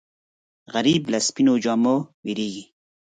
غریب له سپینو جامو وېرېږي